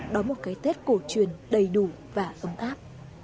đón một cái tết cổ truyền đầy đủ và ấm áp